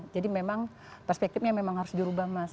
jadi memang perspektifnya memang harus diubah mas